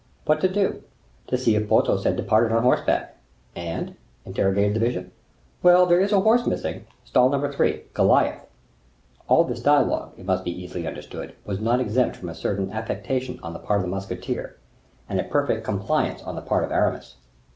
"What to do?" "To see if Porthos had departed on horseback." "And?" interrogated the bishop. "Well, there is a horse missing, stall No. 3, Goliath." All this dialogue, it may be easily understood, was not exempt from a certain affectation on the part of the musketeer, and a perfect complaisance on the part of Aramis.